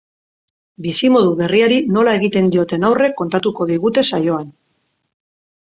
Bizimodu berriari nola egiten dioten aurre kontatuko digute saioan.